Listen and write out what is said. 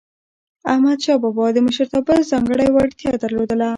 احمدشاه بابا د مشرتابه ځانګړی وړتیا درلودله.